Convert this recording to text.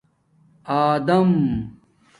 آدم